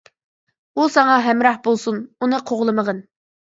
ئۇ ساڭا ھەمراھ بولسۇن، ئۇنى قوغلىمىغىن.